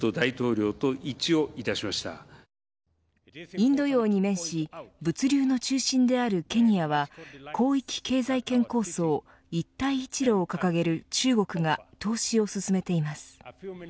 インド洋に面し物流の中心であるケニアは広域経済圏構想一帯一路を掲げる中国が、投資を進めています。